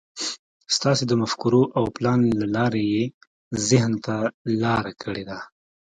ستاسې د مفکورو او پلان له لارې يې ذهن ته لاره کړې ده.